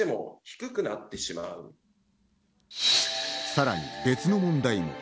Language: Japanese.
さらに別の問題も。